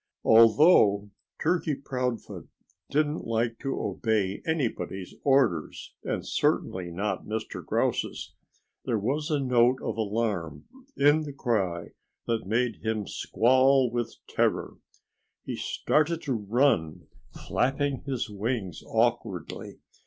Although Turkey Proudfoot didn't like to obey anybody's orders and certainly not Mr. Grouse's there was a note of alarm in the cry that made him squall with terror. He started to run, flapping his wings awkwardly.